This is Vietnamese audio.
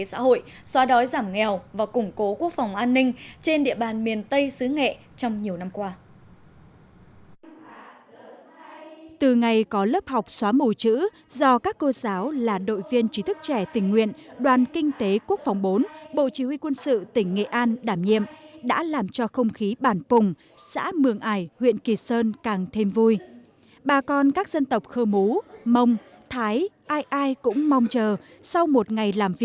với sức trẻ lòng nhiệt huyết và kiến thức khoa học đội trí thức trẻ tình nguyện đoàn kinh tế quốc phòng bốn thuộc bộ chỉ huy quân sự tỉnh nghệ an đã phát huy tốt vai trò của mình